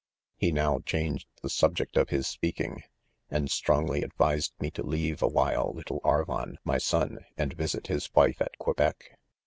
He now changed the subject of his speaking | and strongly advised me to leave awhile' little Ar von, my son, and visit his .wife at Quebec.